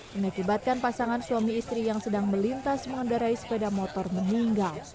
mengakibatkan pasangan suami istri yang sedang melintas mengendarai sepeda motor meninggal